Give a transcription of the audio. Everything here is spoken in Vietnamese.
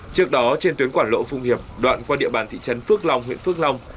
trước đó trên tuyến quảng lộ phùng hiệp đoạn qua địa bàn thị trấn phước long huyện phước long